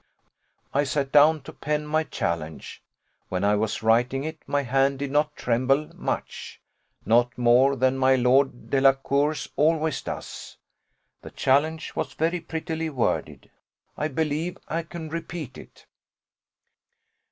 I sat down to pen my challenge. When I was writing it, my hand did not tremble much not more than my Lord Delacour's always does. The challenge was very prettily worded: I believe I can repeat it.